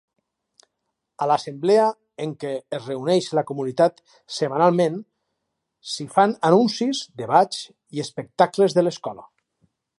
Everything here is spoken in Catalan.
A l'assemblea en què es reuneix la comunitat setmanalment, s'hi fan anuncis, debats i espectacles de l'escola.